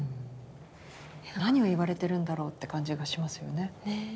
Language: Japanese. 何を言われてるんだろうって感じがしますよね。